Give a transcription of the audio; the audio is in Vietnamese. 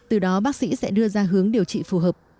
từ đó bác sĩ sẽ đưa ra hướng điều trị phù hợp